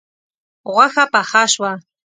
غوښه پخه شوه